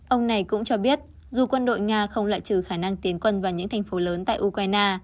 ông này cũng cho biết dù quân đội nga không loại trừ khả năng tiến quân vào những thành phố lớn tại ukraine